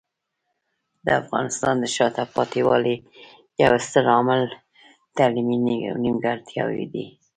د افغانستان د شاته پاتې والي یو ستر عامل تعلیمي نیمګړتیاوې دي.